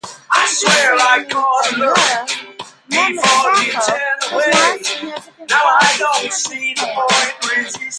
Interestingly enough, Mehmet Spaho was not a significant politician at this point.